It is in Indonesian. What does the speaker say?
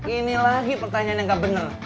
ini lagi pertanyaan yang gak benar